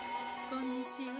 こんにちは。